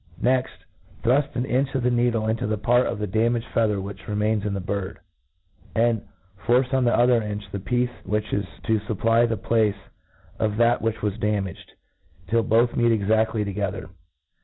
Next^ thruit an inch of the needle into the part of the damaged feaxh<^ which remains in the bird, and force on the other inch the piece which is to fup* ply the place of that which was damaged, till both meet exaftly together.